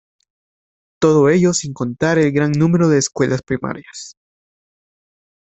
Todo ello sin contar el gran número de escuelas primarias.